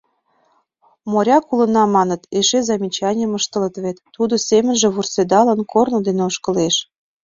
«Моряк улына маныт, эше замечанийым ыштылыт вет» — тудо, семынже вурседылын, корно дене ошкылеш.